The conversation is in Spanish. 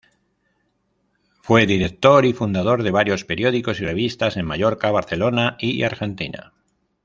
Fue director y fundador de varios periódicos y revistas en Mallorca, Barcelona y Argentina.